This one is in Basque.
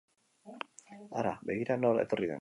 Hara! Begira nor etorri den